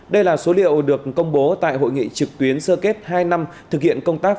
đây là số liệu được công bố tại hội nghị trực tuyến sơ kết hai năm thực hiện công tác